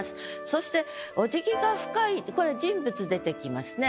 そして「お辞儀が深い」ってこれ人物出てきますね。